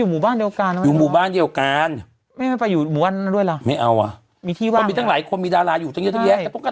มีบ้านนั่นด้วยเหรอไม่เอาเว้มีที่ว่างก็มีหลายคนมีดาราอยู่อยู่อยู่ระยะ